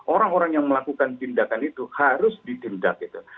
orang orang yang melakukan tindakan itu harus ditindak gitu